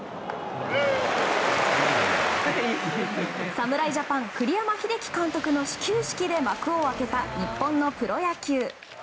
侍ジャパン栗山英樹監督の始球式で幕を開けた、日本のプロ野球。